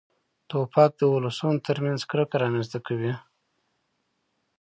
توپک د ولسونو تر منځ کرکه رامنځته کوي.